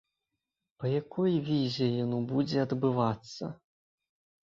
Па якой візе яно будзе адбывацца?